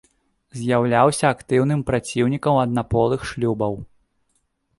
З'яўляўся актыўным праціўнікам аднаполых шлюбаў.